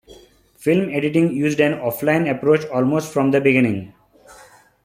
Film editing used an offline approach almost from the beginning.